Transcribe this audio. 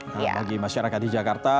bagi masyarakat di jakarta